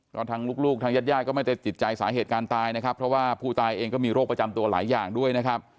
ก็ทางลูกทางญาติญาติก็ไม่ได้ติดใจสาเหตุการณ์ตายนะครับเพราะว่าผู้ตายเองก็มีโรคประจำตัวหลายอย่างด้วยนะครับ